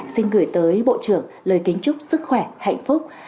xin gửi tới bộ trưởng lời kính chúc sức khỏe hạnh phúc